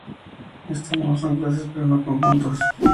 De este modo, y son clases pero no conjuntos.